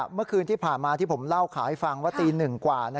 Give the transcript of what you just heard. เมื่อคืนที่ผ่านมาที่ผมเล่าข่าวให้ฟังว่าตีหนึ่งกว่า